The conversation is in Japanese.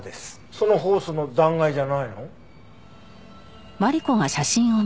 そのホースの残骸じゃないの？